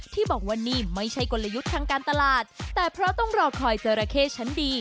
ที่บอกว่านี่ไม่ใช่กลยุทธ์ทางการตลาดแต่เพราะต้องรอคอยจราเข้ชั้นดี